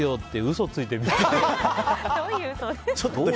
嘘ついてみて。